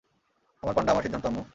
আমার পান্ডা, আমার সিদ্ধান্ত, আম্মু।